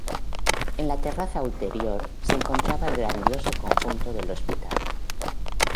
En la terraza ulterior se encontraba el grandioso conjunto del hospital.